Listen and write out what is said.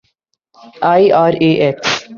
IRAS